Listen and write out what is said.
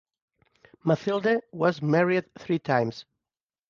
Mathilde was married three times.